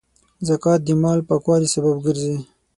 زکات د مال پاکوالي سبب ګرځي.